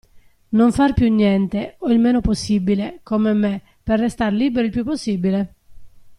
Non far più niente, o il meno possibile, come me, per restar liberi il più possibile?